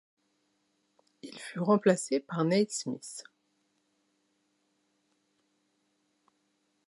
Il fut remplacé par Neil Smith.